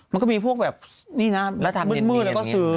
มันก็มีพวกแบบนี่นะมึดตัวมืดตัวก็ซื้อ